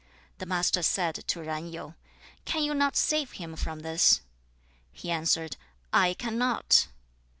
The Master said to Zan Yu, 'Can you not save him from this?' He answered, 'I cannot.'